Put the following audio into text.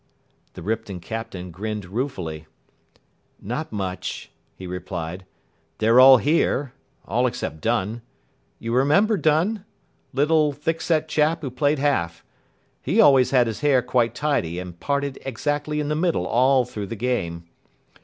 The Ripton captain grinned ruefully. "Not much," he replied. "They're all here. All except Dunn. You remember Dunn? Little thick set chap who played half. He always had his hair quite tidy and parted exactly in the middle all through the game."